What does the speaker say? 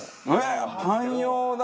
パン用だ！